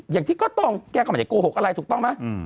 อย่างที่ก็ตรงแกก็ไม่ได้โกหกอะไรถูกต้องไหม